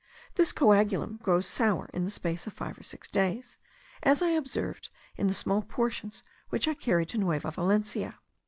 This coagulum grows sour in the space of five or six days, as I observed in the small portions which I carried to Nueva Valencia.